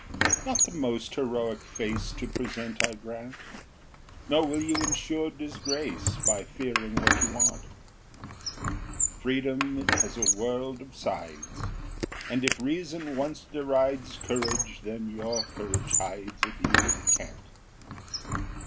Not the most heroic face To present, I grant; Nor will you insure disgrace By fearing what you want. Freedom has a world of sides, And if reason once derides Courage, then your courage hides A deal of cant.